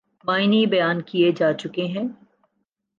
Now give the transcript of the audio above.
معنی بیان کئے جا چکے ہیں۔